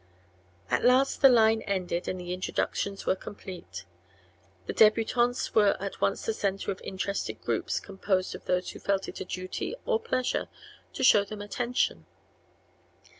At last the line ended and the introductions were complete. The debutantes were at once the center of interested groups composed of those who felt it a duty or pleasure to show them attention.